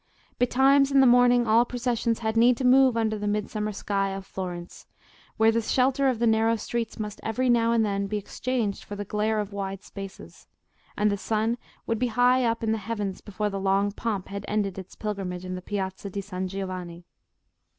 Betimes in the morning all processions had need to move under the Midsummer sky of Florence, where the shelter of the narrow streets must every now and then be exchanged for the glare of wide spaces; and the sun would be high up in the heavens before the long pomp had ended its pilgrimage in the Piazza di San Giovanni.